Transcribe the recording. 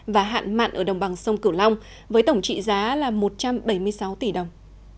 và hạn mặn ở đồng bằng sông cửu long với tổng trị giá là một trăm bảy mươi sáu tỷ đồng